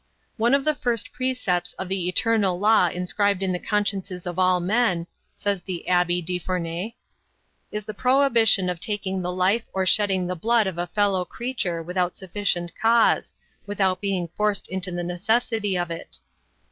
"One of the first precepts of the eternal law inscribed in the consciences of all men," says the Abby Defourney, "is the prohibition of taking the life or shedding the blood of a fellow creature without sufficient cause, without being forced into the necessity of it.